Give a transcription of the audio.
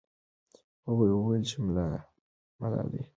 هغوی وویل چې د ملالۍ ږغ آسماني و.